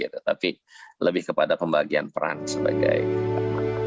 tapi lebih kepada pembagian peran sebagai